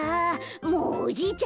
もうおじいちゃん